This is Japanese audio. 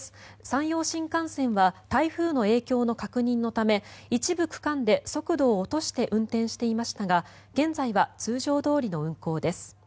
山陽新幹線は台風の影響の確認のため一部区間で速度を落として運転していましたが現在は通常どおりの運行です。